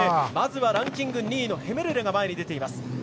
まずはランキング２位のヘメルレが前に出ています。